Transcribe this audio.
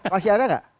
masih ada gak